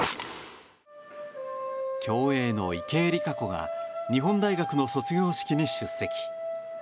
競泳女子の池江璃花子が日本大学の卒業式に出席。